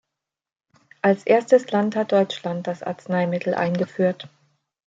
Als erstes Land hat Deutschland das Arzneimittel eingeführt.